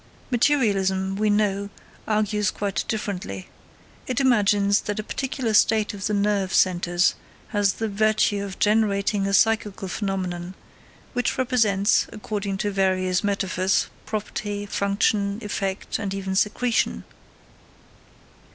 Materialism, we know, argues quite differently; it imagines that a particular state of the nerve centres has the virtue of generating a psychical phenomenon, which represents, according to various metaphors, property, function, effect, and even secretion.